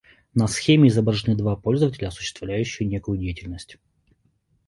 На схеме изображены два пользователя, осуществляющие некую деятельность